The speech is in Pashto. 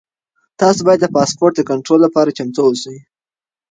تاسو باید د پاسپورټ کنټرول لپاره چمتو اوسئ.